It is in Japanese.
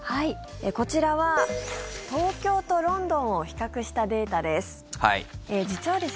こちらは東京とロンドンを比較したデータです。